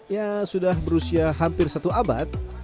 ya sudah berusia hampir satu abad